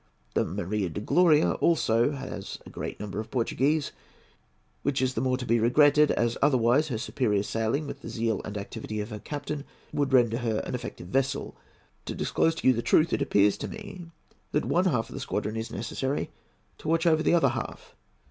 The Maria de Gloria also has a great number of Portuguese, which is the more to be regretted as otherwise her superior sailing, with the zeal and activity of her captain, would render her an effective vessel. To disclose to you the truth, it appears to me that one half of the squadron is necessary to watch over the other half.